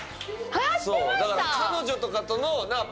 だから彼女とかとのなあ？